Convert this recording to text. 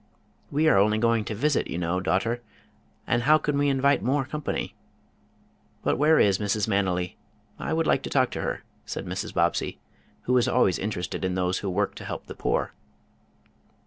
"We are only going to visit, you know, daughter, and how can we invite more company? But where is Mrs. Manily? I would like to talk to her," said Mrs. Bobbsey, who was always interested in those who worked to help the poor.